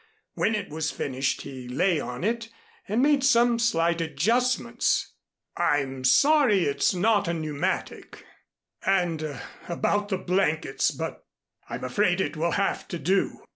When it was finished, he lay on it, and made some slight adjustments. "I'm sorry it's not a pneumatic and about the blankets but I'm afraid it will have to do."